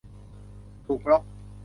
ถูกบล็อค